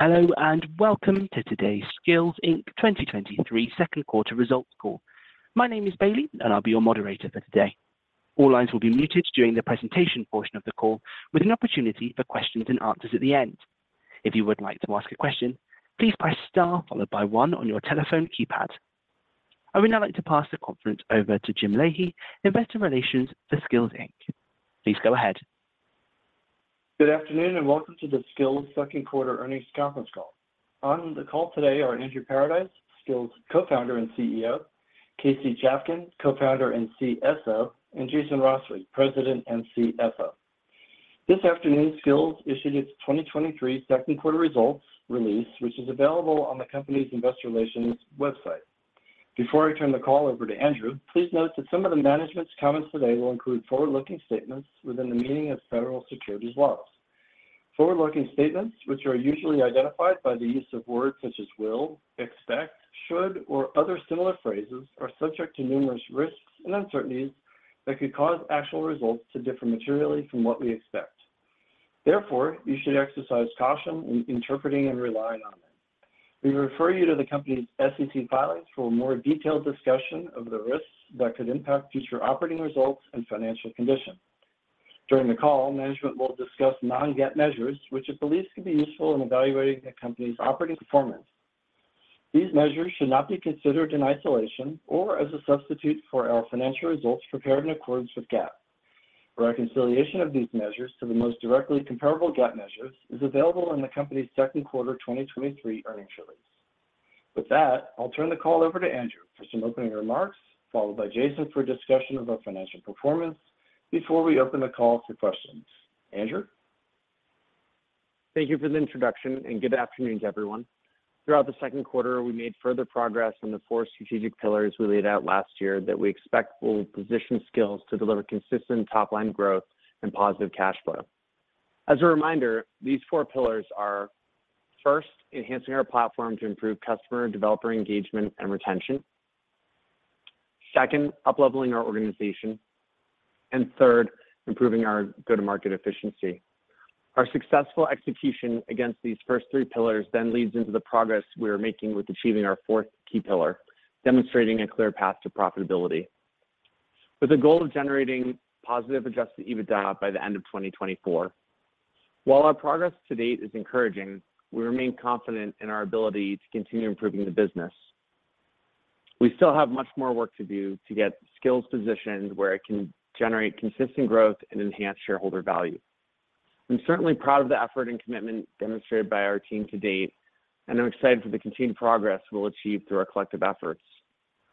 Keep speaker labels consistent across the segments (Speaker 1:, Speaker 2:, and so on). Speaker 1: Hello, and welcome to today's Skillz Inc. 2023 Q2 results call. My name is Bailey, and I'll be your moderator for today. All lines will be muted during the presentation portion of the call, with an opportunity for questions and answers at the end. If you would like to ask a question, please press star followed by one on your telephone keypad. I would now like to pass the conference over to James Leahy, Investor Relations for Skillz Inc. Please go ahead.
Speaker 2: Good afternoon, and welcome to the Skillz Q2 earnings conference call. On the call today are Andrew Paradise, Skillz Co-founder and CEO; Casey Chafkin, Co-founder and CFO; and Jason Roswig, President and CFO. This afternoon, Skillz issued its 2023 Q2 results release, which is available on the company's investor relations website. Before I turn the call over to Andrew, please note that some of the management's comments today will include forward-looking statements within the meaning of federal securities laws. Forward-looking statements, which are usually identified by the use of words such as will, expect, should, or other similar phrases, are subject to numerous risks and uncertainties that could cause actual results to differ materially from what we expect. Therefore, you should exercise caution in interpreting and relying on them. We refer you to the company's SEC filings for a more detailed discussion of the risks that could impact future operating results and financial condition. During the call, management will discuss non-GAAP measures, which it believes can be useful in evaluating the company's operating performance. These measures should not be considered in isolation or as a substitute for our financial results prepared in accordance with GAAP. Reconciliation of these measures to the most directly comparable GAAP measures is available in the company's Q2 2023 earnings release. With that, I'll turn the call over to Andrew for some opening remarks, followed by Jason for a discussion of our financial performance before we open the call to questions. Andrew?
Speaker 3: Thank you for the introduction, and good afternoon to everyone. Throughout the Q2, we made further progress on the four strategic pillars we laid out last year that we expect will position Skillz to deliver consistent top-line growth and positive cash flow. As a reminder, these four pillars are, first, enhancing our platform to improve customer and developer engagement and retention. Second, upleveling our organization, and third, improving our go-to-market efficiency. Our successful execution against these first three pillars then leads into the progress we are making with achieving our fourth key pillar, demonstrating a clear path to profitability, with a goal of generating positive adjusted EBITDA by the end of 2024. While our progress to date is encouraging, we remain confident in our ability to continue improving the business. We still have much more work to do to get Skillz positioned where it can generate consistent growth and enhance shareholder value. I'm certainly proud of the effort and commitment demonstrated by our team to date, and I'm excited for the continued progress we'll achieve through our collective efforts.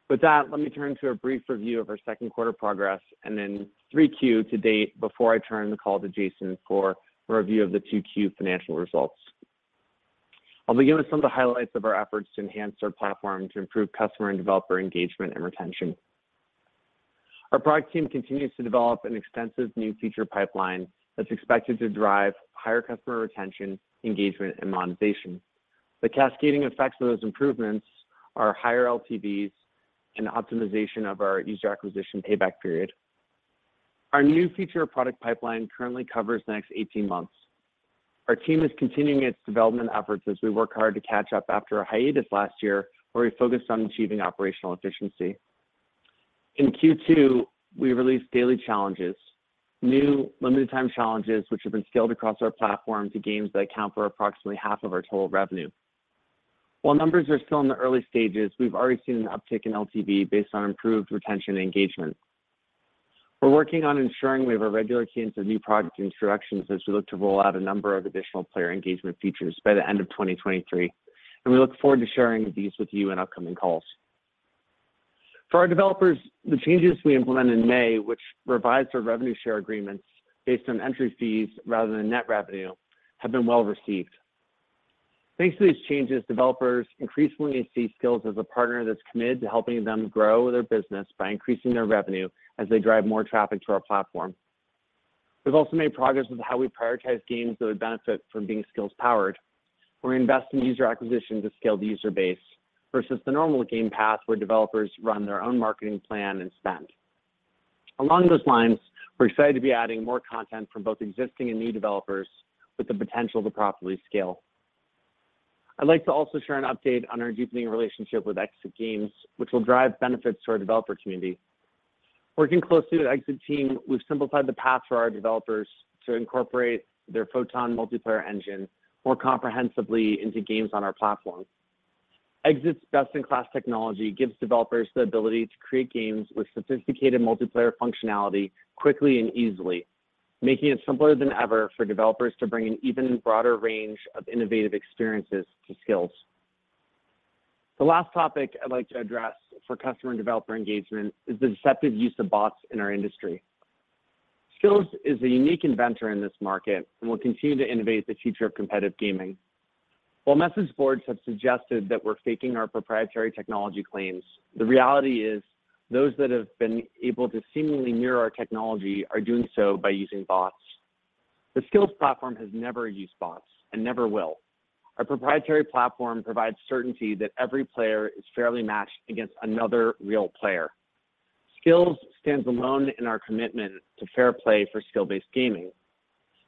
Speaker 3: With that, let me turn to a brief review of our Q2 progress and then Q3 to date before I turn the call to Jason for a review of the Q2 financial results. I'll begin with some of the highlights of our efforts to enhance our platform to improve customer and developer engagement and retention. Our product team continues to develop an extensive new feature pipeline that's expected to drive higher customer retention, engagement, and monetization. The cascading effects of those improvements are higher LTVs and optimization of our user acquisition payback period. Our new feature product pipeline currently covers the next 18 months. Our team is continuing its development efforts as we work hard to catch up after a hiatus last year, where we focused on achieving operational efficiency. In Q2, we released Daily Challenges, new limited-time challenges, which have been scaled across our platform to games that account for approximately half of our total revenue. While numbers are still in the early stages, we've already seen an uptick in LTV based on improved retention and engagement. We're working on ensuring we have a regular cadence of new product introductions as we look to roll out a number of additional player engagement features by the end of 2023, and we look forward to sharing these with you in upcoming calls. For our developers, the changes we implemented in May, which revised our revenue share agreements based on entry fees rather than net revenue, have been well-received. Thanks to these changes, developers increasingly see Skillz as a partner that's committed to helping them grow their business by increasing their revenue as they drive more traffic to our platform. We've also made progress with how we prioritize games that would benefit from being Skillz-powered. We're investing in user acquisition to scale the user base versus the normal game path, where developers run their own marketing plan and spend. Along those lines, we're excited to be adding more content from both existing and new developers with the potential to properly scale. I'd like to also share an update on our deepening relationship with Exit Games, which will drive benefits to our developer community. Working closely with the Exit Games team, we've simplified the path for our developers to incorporate their Photon multiplayer engine more comprehensively into games on our platform. Exit Games' best-in-class technology gives developers the ability to create games with sophisticated multiplayer functionality quickly and easily, making it simpler than ever for developers to bring an even broader range of innovative experiences to Skillz. The last topic I'd like to address for customer and developer engagement is the deceptive use of bots in our industry. Skillz is a unique inventor in this market and will continue to innovate the future of competitive gaming. While message boards have suggested that we're faking our proprietary technology claims, the reality is those that have been able to seemingly mirror our technology are doing so by using bots. The Skillz platform has never used bots and never will. Our proprietary platform provides certainty that every player is fairly matched against another real player. Skillz stands alone in our commitment to fair play for skill-based gaming.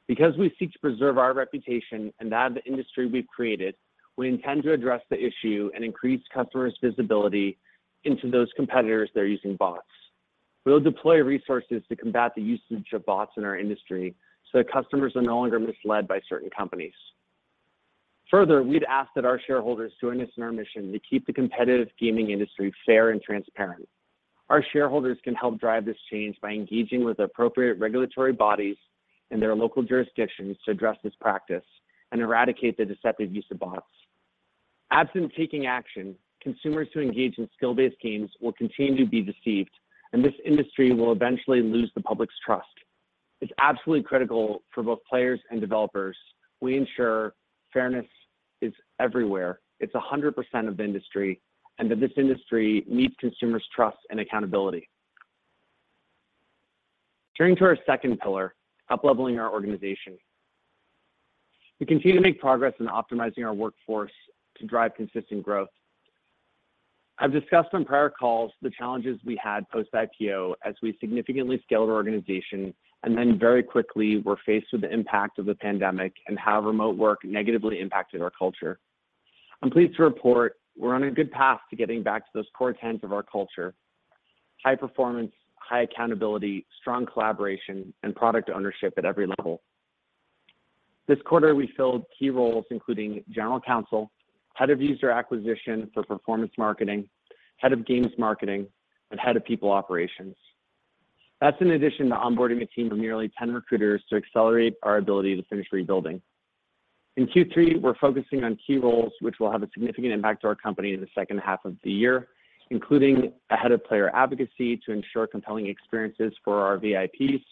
Speaker 3: Because we seek to preserve our reputation and that of the industry we've created, we intend to address the issue and increase customers' visibility into those competitors that are using bots. We'll deploy resources to combat the usage of bots in our industry, so that customers are no longer misled by certain companies. Further, we'd ask that our shareholders join us in our mission to keep the competitive gaming industry fair and transparent. Our shareholders can help drive this change by engaging with the appropriate regulatory bodies in their local jurisdictions to address this practice and eradicate the deceptive use of bots. Absent taking action, consumers who engage in skill-based games will continue to be deceived, and this industry will eventually lose the public's trust. It's absolutely critical for both players and developers we ensure fairness is everywhere, it's 100% of the industry, and that this industry needs consumers' trust and accountability. Turning to our second pillar, upleveling our organization. We continue to make progress in optimizing our workforce to drive consistent growth. I've discussed on prior calls the challenges we had post-IPO as we significantly scaled our organization, and then very quickly were faced with the impact of the pandemic and how remote work negatively impacted our culture. I'm pleased to report we're on a good path to getting back to those core tenets of our culture: high performance, high accountability, strong collaboration, and product ownership at every level. This quarter, we filled key roles, including General Counsel, Head of User Acquisition for Performance Marketing, Head of Games Marketing, and Head of People Operations. That's in addition to onboarding a team of nearly 10 recruiters to accelerate our ability to finish rebuilding. In Q3, we're focusing on key roles which will have a significant impact to our company in the second half of the year, including a Head of Player Advocacy to ensure compelling experiences for our VIPs,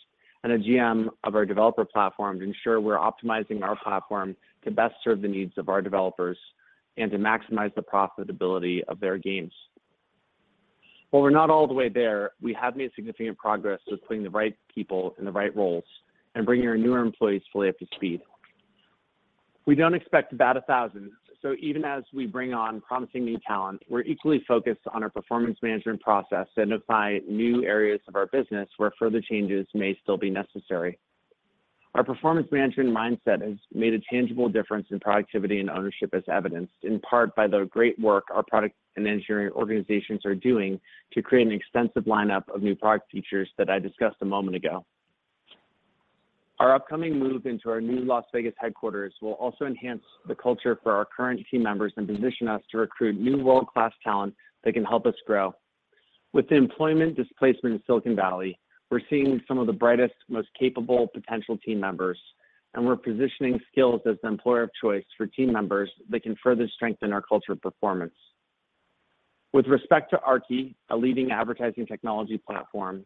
Speaker 3: and a GM of our developer platform to ensure we're optimizing our platform to best serve the needs of our developers and to maximize the profitability of their games. While we're not all the way there, we have made significant progress with putting the right people in the right roles and bringing our newer employees fully up to speed. We don't expect to bat 1,000, so even as we bring on promising new talent, we're equally focused on our performance management process to identify new areas of our business where further changes may still be necessary. Our performance management mindset has made a tangible difference in productivity and ownership, as evidenced in part by the great work our product and engineering organizations are doing to create an extensive lineup of new product features that I discussed a moment ago. Our upcoming move into our new Las Vegas headquarters will also enhance the culture for our current team members and position us to recruit new world-class talent that can help us grow. With the employment displacement in Silicon Valley, we're seeing some of the brightest, most capable potential team members, and we're positioning Skillz as the employer of choice for team members that can further strengthen our culture of performance. With respect to Aarki, a leading advertising technology platform,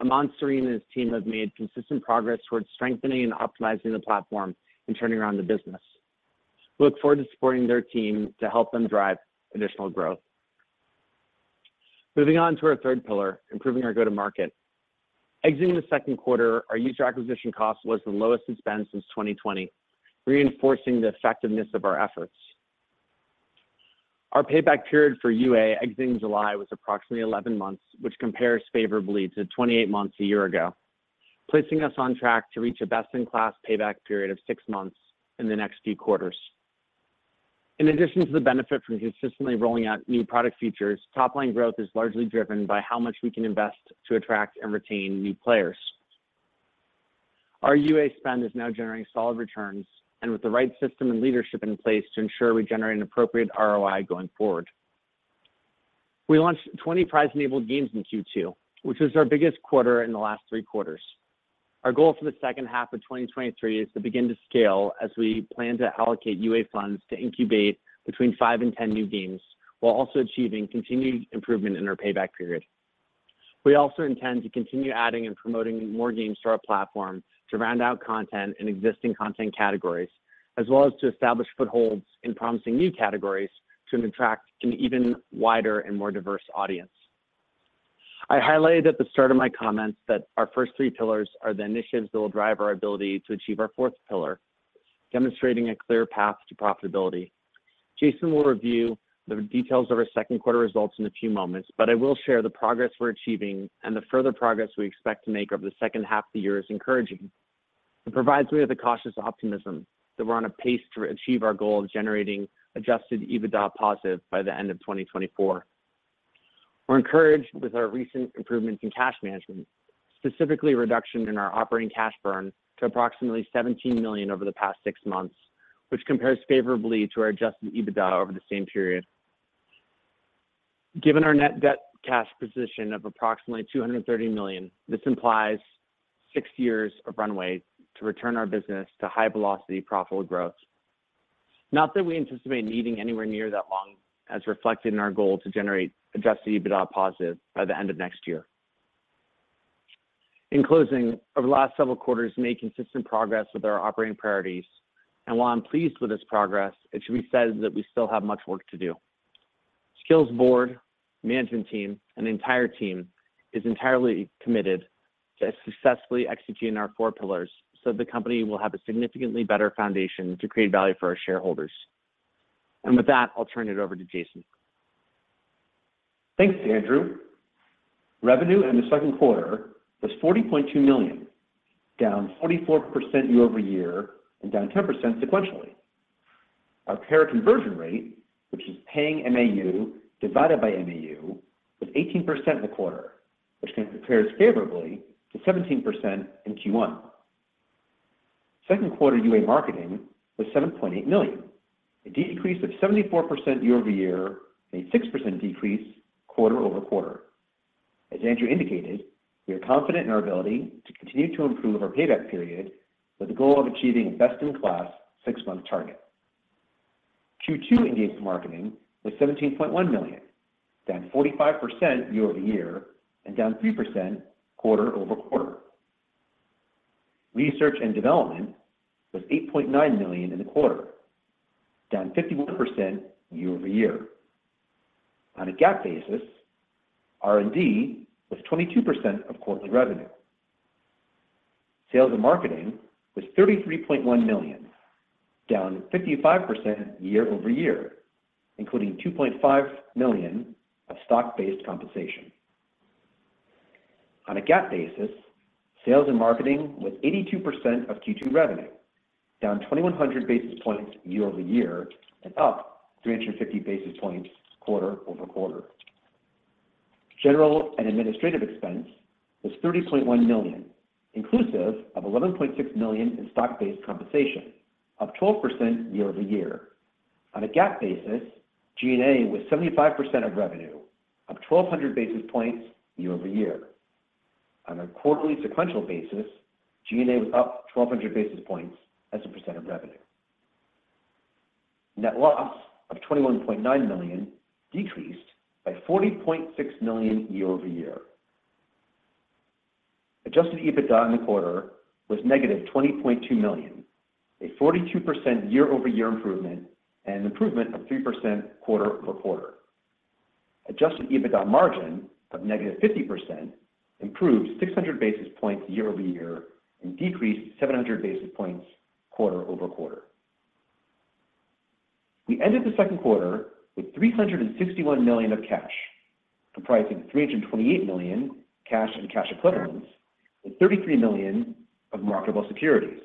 Speaker 3: Aman Sareen and his team have made consistent progress towards strengthening and optimizing the platform and turning around the business. We look forward to supporting their team to help them drive additional growth. Moving on to our third pillar, improving our go-to-market. Exiting the Q2, our user acquisition cost was the lowest it's been since 2020, reinforcing the effectiveness of our efforts. Our payback period for UA exiting July was approximately 11 months, which compares favorably to 28 months a year ago, placing us on track to reach a best-in-class payback period of six months in the next few quarters. In addition to the benefit from consistently rolling out new product features, top-line growth is largely driven by how much we can invest to attract and retain new players. Our UA spend is now generating solid returns, and with the right system and leadership in place to ensure we generate an appropriate ROI going forward. We launched 20 prize-enabled games in Q2, which was our biggest quarter in the last Q3s. Our goal for the second half of 2023 is to begin to scale as we plan to allocate UA funds to incubate between five and 10 new games, while also achieving continued improvement in our payback period. We also intend to continue adding and promoting more games to our platform to round out content in existing content categories, as well as to establish footholds in promising new categories to attract an even wider and more diverse audience. I highlighted at the start of my comments that our first three pillars are the initiatives that will drive our ability to achieve our fourth pillar: demonstrating a clear path to profitability. Jason will review the details of our Q2 results in a few moments, but I will share the progress we're achieving and the further progress we expect to make over the second half of the year is encouraging. It provides me with a cautious optimism that we're on a pace to achieve our goal of generating Adjusted EBITDA positive by the end of 2024. We're encouraged with our recent improvements in cash management, specifically a reduction in our operating cash burn to approximately $17 million over the past six months, which compares favorably to our Adjusted EBITDA over the same period. Given our net debt cash position of approximately $230 million, this implies six years of runway to return our business to high-velocity profitable growth. Not that we anticipate needing anywhere near that long, as reflected in our goal to generate Adjusted EBITDA positive by the end of next year. In closing, over the last several quarters, we made consistent progress with our operating priorities, and while I'm pleased with this progress, it should be said that we still have much work to do. Skillz's board, management team, and the entire team is entirely committed to successfully executing our four pillars so the company will have a significantly better foundation to create value for our shareholders. ...With that, I'll turn it over to Jason.
Speaker 4: Thanks, Andrew. Revenue in the Q2 was $40.2 million, down 44% year-over-year and down 10% sequentially. Our payer conversion rate, which is paying MAU divided by MAU, was 18% in the quarter, which compares favorably to 17% in Q1. Q2 UA marketing was $7.8 million, a decrease of 74% year-over-year, a 6% decrease quarter-over-quarter. As Andrew indicated, we are confident in our ability to continue to improve our payback period with the goal of achieving a best-in-class six month target. Q2 engaged marketing was $17.1 million, down 45% year-over-year and down 3% quarter-over-quarter. R&D was $8.9 million in the quarter, down 51% year-over-year. On a GAAP basis, R&D was 22% of quarterly revenue. Sales and marketing was $33.1 million, down 55% year-over-year, including $2.5 million of stock-based compensation. On a GAAP basis, sales and marketing was 82% of Q2 revenue, down 2,100 basis points year-over-year and up 350 basis points quarter-over-quarter. General and administrative expense was $30.1 million, inclusive of $11.6 million in stock-based compensation, up 12% year-over-year. On a GAAP basis, G&A was 75% of revenue, up 1,200 basis points year-over-year. On a quarterly sequential basis, G&A was up 1,200 basis points as a percent of revenue. Net loss of $21.9 million decreased by $40.6 million year-over-year. Adjusted EBITDA in the quarter was negative $20.2 million, a 42% year-over-year improvement and an improvement of 3% quarter-over-quarter. Adjusted EBITDA margin of -50% improved 600 basis points year-over-year and decreased 700 basis points quarter-over-quarter. We ended the Q2 with $361 million of cash, comprising $328 million cash and cash equivalents, and $33 million of marketable securities.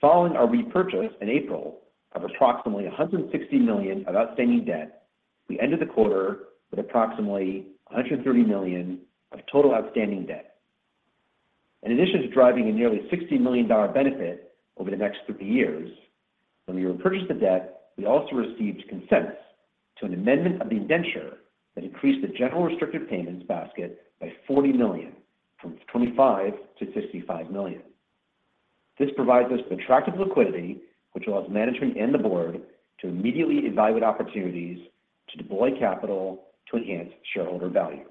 Speaker 4: Following our repurchase in April of approximately $160 million of outstanding debt, we ended the quarter with approximately $130 million of total outstanding debt. In addition to driving a nearly $60 million benefit over the next five years, when we repurchased the debt, we also received consent to an amendment of the indenture that increased the general restricted payments basket by $40 million, from $25 million to $65 million. This provides us with attractive liquidity, which allows management and the board to immediately evaluate opportunities to deploy capital to enhance shareholder value.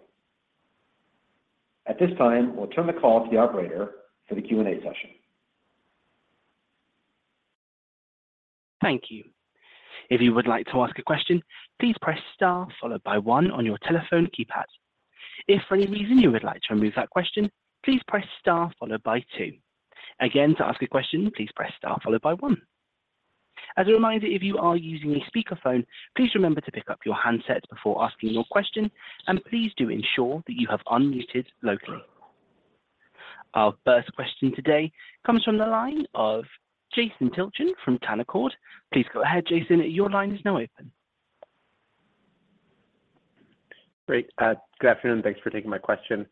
Speaker 4: At this time, we'll turn the call to the operator for the Q&A session.
Speaker 1: Thank you. If you would like to ask a question, please press star followed by one on your telephone keypad. If for any reason you would like to remove that question, please press star followed by two. Again, to ask a question, please press star followed by one. As a reminder, if you are using a speakerphone, please remember to pick up your handset before asking your question, and please do ensure that you have unmuted locally. Our first question today comes from the line of Jason Tilchen from Canaccord. Please go ahead, Jason. Your line is now open.
Speaker 5: Great. Good afternoon, thanks for taking my question.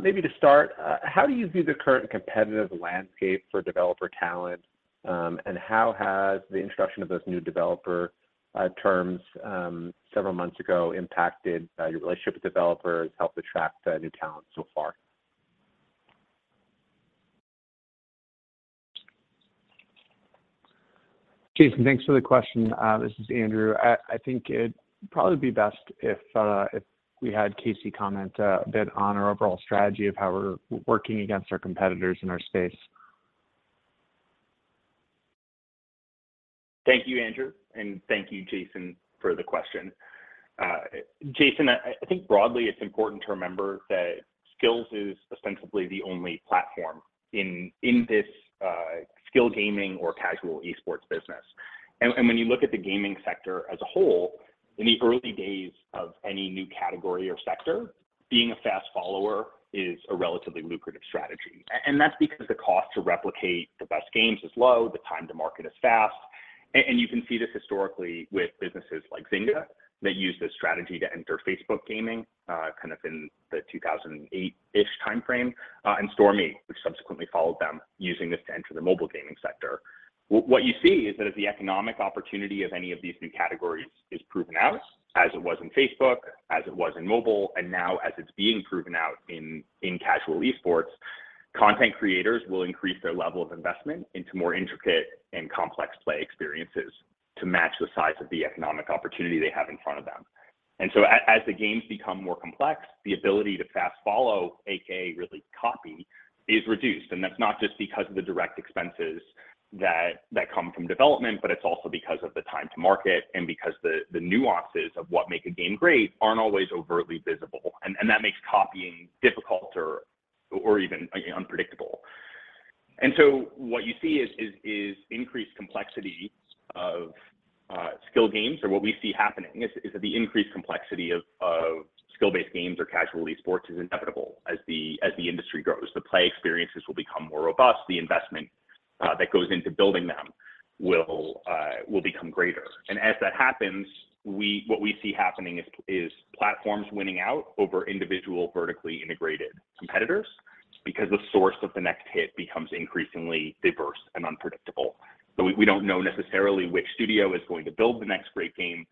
Speaker 5: Maybe to start, how do you view the current competitive landscape for developer talent? How has the introduction of those new developer terms several months ago impacted your relationship with developers, helped attract new talent so far?
Speaker 3: Jason, thanks for the question. This is Andrew. I, I think it'd probably be best if, if we had Casey comment, a bit on our overall strategy of how we're working against our competitors in our space.
Speaker 6: Thank you, Andrew, and thank you, Jason, for the question. Jason, I, I think broadly it's important to remember that Skillz is ostensibly the only platform in, in this, skill gaming or casual esports business. When you look at the gaming sector as a whole, in the early days of any new category or sector, being a fast follower is a relatively lucrative strategy. That's because the cost to replicate the best games is low, the time to market is fast, and you can see this historically with businesses like Zynga, that used this strategy to enter Facebook gaming, kind of in the 2008-ish timeframe, and Storm8, which subsequently followed them, using this to enter the mobile gaming sector. What you see is that as the economic opportunity of any of these new categories is proven out, as it was in Facebook, as it was in mobile, and now as it's being proven out in casual esports, content creators will increase their level of investment into more intricate and complex play experiences to match the size of the economic opportunity they have in front of them. As the games become more complex, the ability to fast follow, AKA really copy, is reduced. That's not just because of the direct expenses that come from development, but it's also because of the time to market and because the nuances of what make a game great aren't always overtly visible, and that makes copying difficult or even unpredictable. What you see is, is, is increased complexity of skill games, or what we see happening is, is that the increased complexity of skill-based games or casual esports is inevitable as the, as the industry grows. The play experiences will become more robust, the investment that goes into building them will become greater. As that happens, what we see happening is, is platforms winning out over individual vertically integrated competitors, because the source of the next hit becomes increasingly diverse and unpredictable. We, we don't know necessarily which studio is going to build the next great game,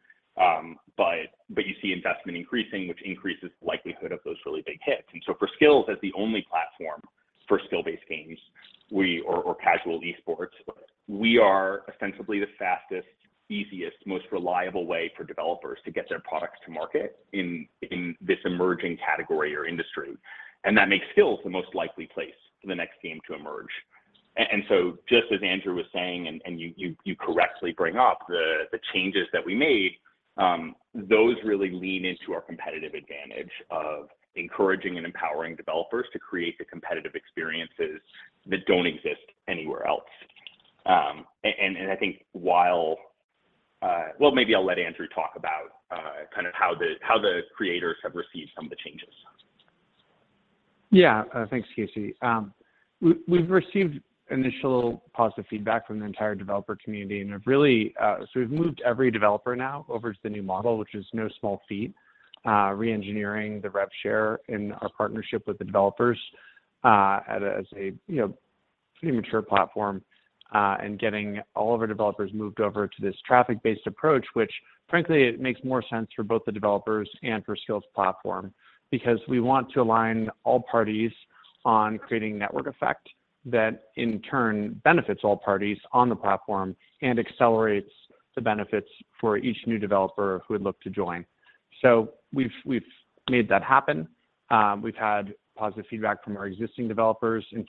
Speaker 6: but you see investment increasing, which increases the likelihood of those really big hits. For Skillz, as the only platform for skill-based games. We casual esports, we are ostensibly the fastest, easiest, most reliable way for developers to get their products to market in, in this emerging category or industry. That makes Skillz the most likely place for the next game to emerge. Just as Andrew was saying, you correctly bring up, the, the changes that we made, those really lean into our competitive advantage of encouraging and empowering developers to create the competitive experiences that don't exist anywhere else. I think while maybe I'll let Andrew talk about kind of how the, how the creators have received some of the changes.
Speaker 3: Yeah. Thanks, Casey. We've received initial positive feedback from the entire developer community, have really. We've moved every developer now over to the new model, which is no small feat, re-engineering the rev share in our partnership with the developers, at a, as a, you know, pretty mature platform, getting all of our developers moved over to this traffic-based approach, which frankly, it makes more sense for both the developers and for Skillz's platform, because we want to align all parties on creating network effect, that in turn benefits all parties on the platform and accelerates the benefits for each new developer who would look to join. We've, we've made that happen. We've had positive feedback from our existing developers. In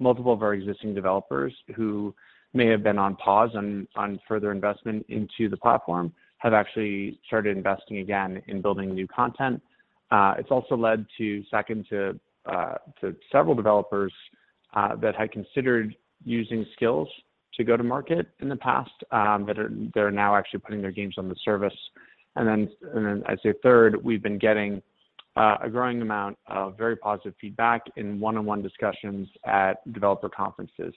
Speaker 3: fact, multiple of our existing developers who may have been on pause on, on further investment into the platform, have actually started investing again in building new content. It's also led to second, to, to several developers, that had considered using Skillz to go to market in the past, that are, they're now actually putting their games on the service. and then I'd say third, we've been getting, a growing amount of very positive feedback in one-on-one discussions at developer conferences.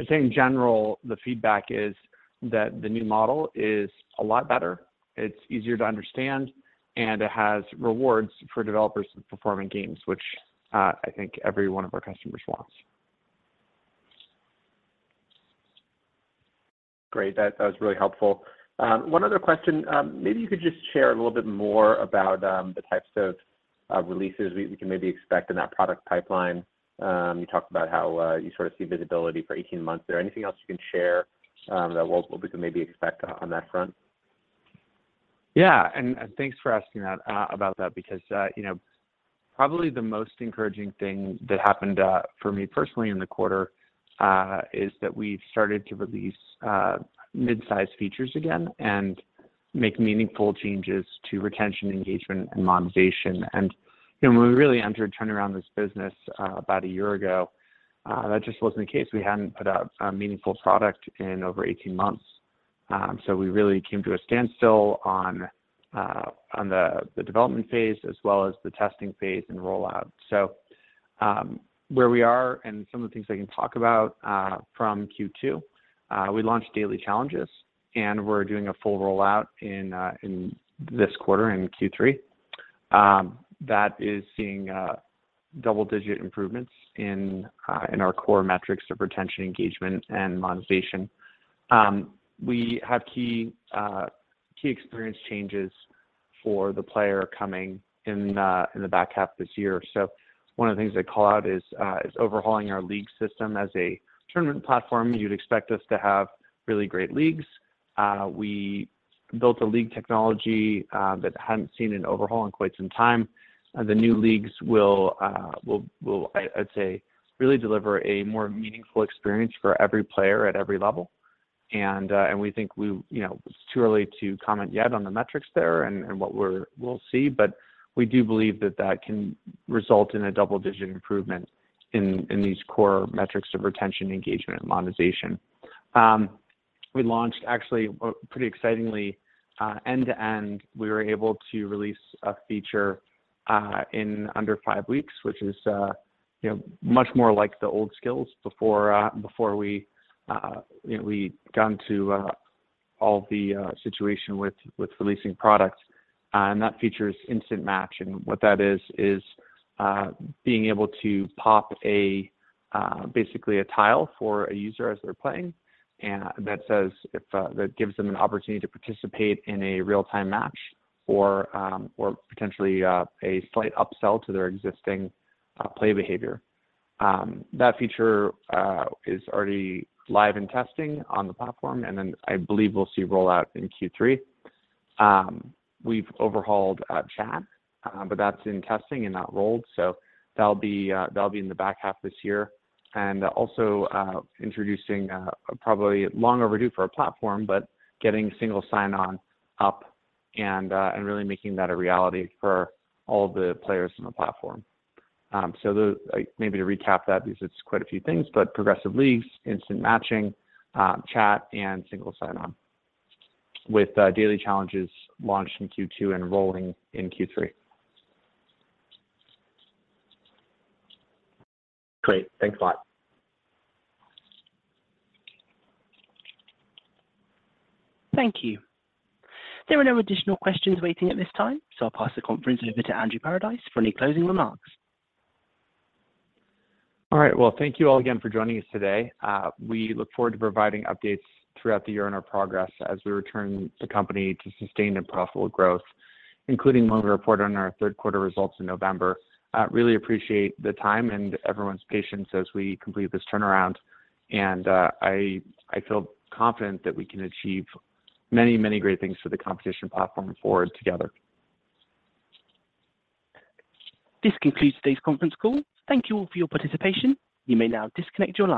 Speaker 3: I'd say in general, the feedback is that the new model is a lot better, it's easier to understand, and it has rewards for developers performing games, which, I think every one of our customers wants.
Speaker 5: Great, that, that was really helpful. One other question. Maybe you could just share a little bit more about the types of releases we, we can maybe expect in that product pipeline. You talked about how you sort of see visibility for 18 months. Is there anything else you can share that we, we can maybe expect on that front?
Speaker 3: Yeah, and, thanks for asking that, about that, because, you know, probably the most encouraging thing that happened, for me personally in the quarter, is that we've started to release, mid-sized features again, and make meaningful changes to retention, engagement, and monetization. You know, when we really entered turning around this business, about a year ago, that just wasn't the case. We hadn't put out a meaningful product in over 18 months. We really came to a standstill on, on the, the development phase, as well as the testing phase and rollout. Where we are and some of the things I can talk about, from Q2, we launched Daily Challenges, and we're doing a full rollout in, in this quarter, in Q3. That is seeing double-digit improvements in our core metrics of retention, engagement, and monetization. We have key experience changes for the player coming in in the back half of this year. One of the things I'd call out is overhauling our league system. As a tournament platform, you'd expect us to have really great leagues. We built a league technology that hadn't seen an overhaul in quite some time. The new leagues will, I'd say, really deliver a more meaningful experience for every player at every level. We think we, you know, it's too early to comment yet on the metrics there and, and what we'll see, but we do believe that that can result in a double-digit improvement in, in these core metrics of retention, engagement, and monetization. We launched actually, pretty excitingly, end-to-end, we were able to release a feature, in under five weeks, which is, you know, much more like the old Skillz before, before we, you know, we got into, all the, situation with, with releasing products. That feature is Instant Match, and what that is, being able to pop a, basically a tile for a user as they're playing, and that says, if that gives them an opportunity to participate in a real-time match, or potentially, a slight upsell to their existing, play behavior. That feature is already live in testing on the platform, and then I believe we'll see rollout in Q3. We've overhauled chat, but that's in testing and not rolled, so that'll be that'll be in the back half of this year. Also, introducing, probably long overdue for our platform, but getting single sign-on up and really making that a reality for all the players on the platform. Maybe to recap that, because it's quite a few things, but Progressive Leagues, Instant Matching, chat, and single sign-on, with Daily Challenges launched in Q2 and rolling in Q3.
Speaker 6: Great. Thanks a lot.
Speaker 1: Thank you. There are no additional questions waiting at this time, so I'll pass the conference over to Andrew Paradise for any closing remarks.
Speaker 3: All right. Well, thank you all again for joining us today. We look forward to providing updates throughout the year on our progress as we return the company to sustained and profitable growth, including when we report on our Q3 results in November. Really appreciate the time and everyone's patience as we complete this turnaround, and, I feel confident that we can achieve many, many great things for the competition platform forward together.
Speaker 1: This concludes today's conference call. Thank you all for your participation. You may now disconnect your lines.